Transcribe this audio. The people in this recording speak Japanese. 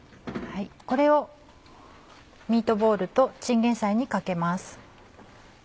これをミートボールとチンゲンサイにかけます。